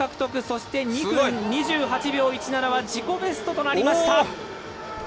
そして２分２８秒１７は自己ベストとなりました。